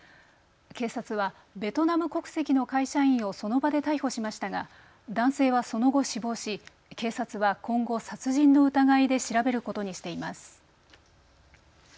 警察はベトナム国籍の会社員をその場で逮捕しましたが男性はその後、死亡し警察は今後、殺人の疑いで調べることにしています。